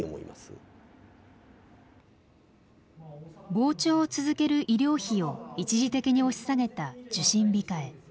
膨張を続ける医療費を一時的に押し下げた受診控え。